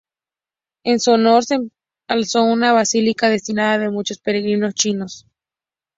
En su honor se alzó una basílica, destino de muchos peregrinos chinos.